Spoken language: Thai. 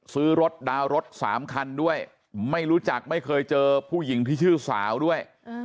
ซื้อรถดาวน์รถสามคันด้วยไม่รู้จักไม่เคยเจอผู้หญิงที่ชื่อสาวด้วย